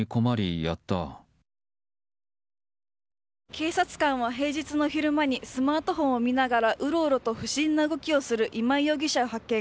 警察官は、平日の昼間にスマートフォンを見ながらうろうろと不審な動きをする今井容疑者を発見。